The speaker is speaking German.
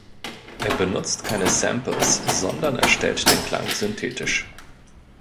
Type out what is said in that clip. Es benutzt keine Samples, sondern erstellt den Klang synthetisch.